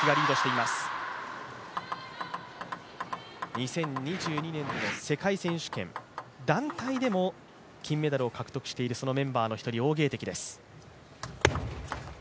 ２０２２年の世界選手権団体でも金メダルを獲得しているメンバーの１人王ゲイ迪です。